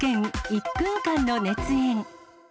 １分間の熱演。